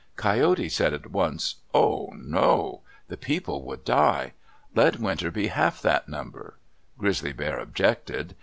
Coyote said at once, "Oh, no! The people would die. Let winter be half that number." Grizzly Bear objected.